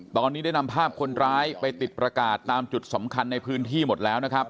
ตอนนี้ได้นำภาพคนร้ายไปติดประกาศตามจุดสำคัญในพื้นที่หมดแล้วนะครับ